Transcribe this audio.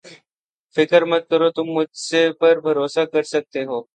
فکر مت کرو تم مجھ پر بھروسہ کر سکتے ہو